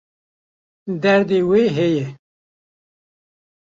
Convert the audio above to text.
Derdê wê heye.